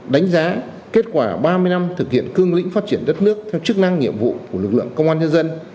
đánh giá kết quả ba mươi năm thực hiện cương lĩnh phát triển đất nước theo chức năng nhiệm vụ của lực lượng công an nhân dân